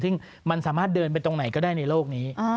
ซึ่งมันสามารถเดินไปตรงไหนก็ได้ในโลกนี้